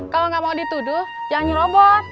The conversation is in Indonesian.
kalau gak mau dituduh jangan nyurobot